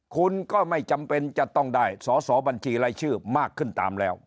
คุณก็ไม่จำเป็นจะต้องได้สอสอบัญชีรายชื่อมากขึ้นตามแล้ว